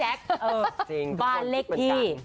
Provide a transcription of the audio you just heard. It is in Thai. เออบ้านเลขที่